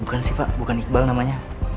bukan sih pak bukan iqbal namanya